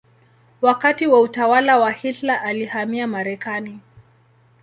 Wakati wa utawala wa Hitler alihamia Marekani.